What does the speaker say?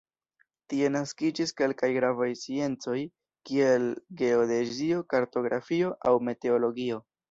Tie naskiĝis kelkaj gravaj sciencoj kiel geodezio, kartografio aŭ meteologio.